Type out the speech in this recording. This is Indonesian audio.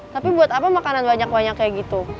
tapi buat apa makanan banyak banyak kayak gitu